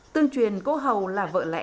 tương truyền cô hầu là một trong những cánh đồng